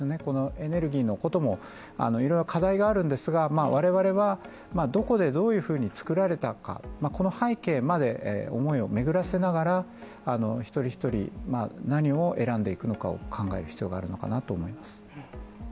エネルギーのことも、いろいろ課題があるんですが、我々はどこでどういうふうに作られたかこの背景まで思いを巡らせながら一人一人、何を選んでいくのかを考える必要があるのかなと思います。